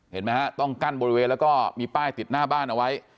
เห็นไหมฮะต้องกั้นบริเวณแล้วก็มีป้ายติดหน้าบ้านเอาไว้